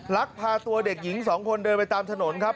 ลักพาตัวเด็กหญิงสองคนเดินไปตามถนนครับ